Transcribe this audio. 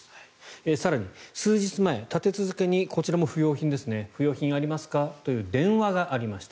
更に、数日前立て続けにこちらも不用品ですね不用品ありますかという電話がありました。